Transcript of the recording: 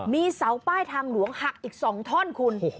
มีเสาป้ายทางหลวงหักอีก๒ท่อนคุณ